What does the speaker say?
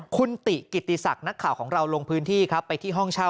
คุณติกิติศักดิ์นักข่าวของเราลงพื้นที่ครับไปที่ห้องเช่า